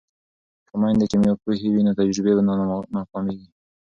که میندې کیمیا پوهې وي نو تجربې به نه ناکامیږي.